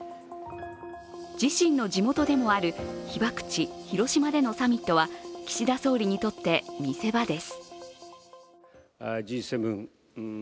自身の地元でもある被爆地・広島でのサミットは岸田総理にとって見せ場です。